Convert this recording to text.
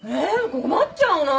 困っちゃうな。